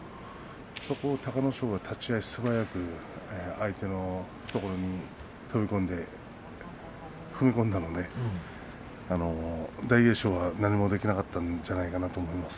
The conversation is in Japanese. そこを隆の勝が相手の懐に飛び込んで踏み込んだので大栄翔は何もできなかったんじゃないかと思います。